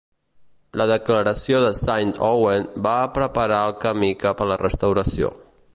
La Declaració de Saint-Ouen va preparar el camí cap a la Restauració.